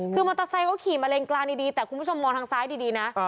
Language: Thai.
คือมอเตอร์ไซค์เขาขี่มาเลนกลางดีแต่คุณผู้ชมมองทางซ้ายดีนะ